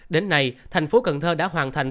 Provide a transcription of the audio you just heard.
đến nay thành phố cần thơ đã hoàn thành